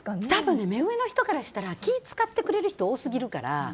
多分、目上の人からしたら気を使ってくれる人が多すぎるから。